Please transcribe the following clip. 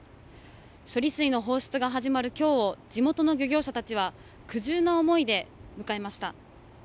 処理水の放出が始まるきょう地元の漁業者たちは苦渋の思いで迎えました。